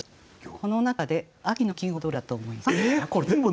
この中で秋の季語はどれだと思いますか？